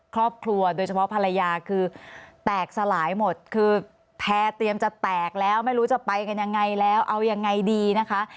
ครอบครัวโดยเฉพาะภรรยาคือแตกสลายหมดคือแพร่เตรียมจะแตกแล้วไม่รู้จะไปกันยังไงแล้วเอายังไงดีนะคะ